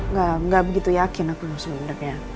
nggak begitu yakin aku sebenernya